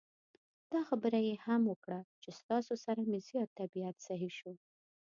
دا خبره یې هم وکړه چې ستاسو سره مې زیات طبعیت سهی شو.